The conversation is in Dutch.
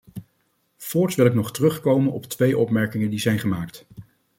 Voorts wil ik nog terugkomen op twee opmerkingen die zijn gemaakt.